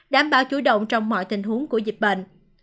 đảm bảo chủ động trong mọi tình huống của dịch bệnh